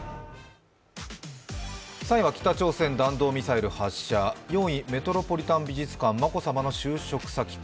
３位北朝鮮弾道ミサイル発射４位、メトロポリタン美術館、眞子さまの就職先か。